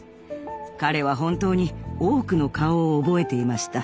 彼は本当に多くの顔を覚えていました。